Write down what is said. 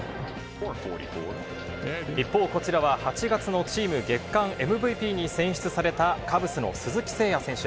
一方、こちらは８月のチーム月間ＭＶＰに選出されたカブスの鈴木誠也選手。